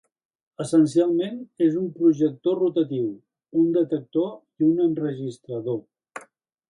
Essencialment és un projector rotatiu, un detector, i un enregistrador.